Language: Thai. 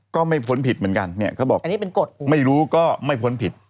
ก็ไม่พ้นผิดเหมือนกันเขาบอกไม่รู้ก็ไม่พ้นผิด